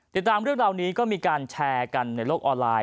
ติดตามเรื่องราวนี้ก็มีการแชร์กันในโลกออนไลน